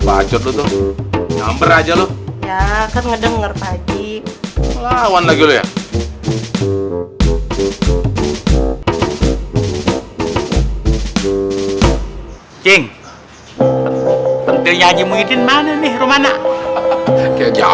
ayo deh berangkat ya